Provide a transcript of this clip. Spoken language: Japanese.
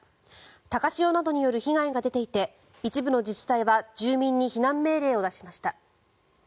高潮などによる被害が出ていて一部の自治体は住民に避難命令を出しました。